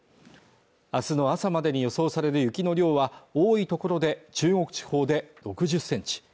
明日の朝までに予想される雪の量は多い所で中国地方で６０センチ